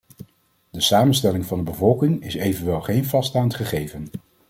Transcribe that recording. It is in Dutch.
De samenstelling van de bevolking is evenwel geen vaststaand gegeven.